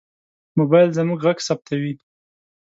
موبایل زموږ غږ ثبتوي.